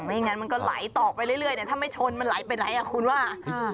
อย่างนั้นมันก็ไหลต่อไปเรื่อยแต่ถ้าไม่ชนมันไหลไปไหนอ่ะคุณว่า